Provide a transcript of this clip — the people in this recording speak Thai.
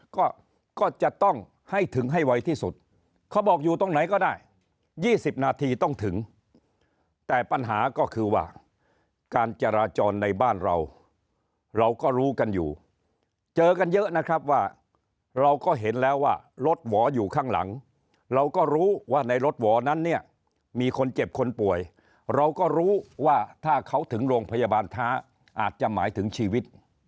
ก็ก็จะต้องให้ถึงให้ไวที่สุดเขาบอกอยู่ตรงไหนก็ได้๒๐นาทีต้องถึงแต่ปัญหาก็คือว่าการจราจรในบ้านเราเราก็รู้กันอยู่เจอกันเยอะนะครับว่าเราก็เห็นแล้วว่ารถหวออยู่ข้างหลังเราก็รู้ว่าในรถหวอนั้นเนี่ยมีคนเจ็บคนป่วยเราก็รู้ว่าถ้าเขาถึงโรงพยาบาลท้าอาจจะหมายถึงชีวิต